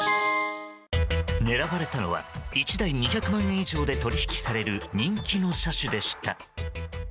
狙われたのは１台２００万円以上で取引される人気の車種でした。